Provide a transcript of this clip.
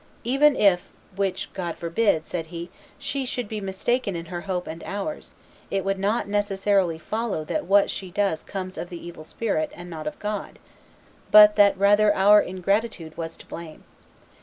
"Even if (which God forbid)," said he, "she should be mistaken in her hope and ours, it would not necessarily follow that what she does comes of the evil spirit, and not of God, but that rather our ingratitude was to blame.